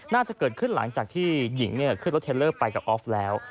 น่าจะเกิดขึ้นหลังจากที่หญิงขึ้นรถเทลเลอร์ไปกับออฟแล้ว